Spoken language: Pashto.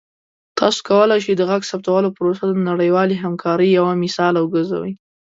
تاسو کولی شئ د غږ ثبتولو پروسه د نړیوالې همکارۍ یوه مثاله وګرځوئ.